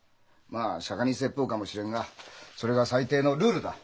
まあ「釈迦に説法」かもしれんがそれが最低のルールだ。